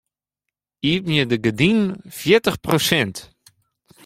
Iepenje de gerdinen fjirtich prosint.